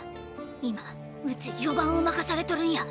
今うち４番を任されとるんや！